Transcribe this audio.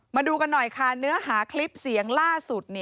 มาดูกันหน่อยค่ะเนื้อหาคลิปเสียงล่าสุด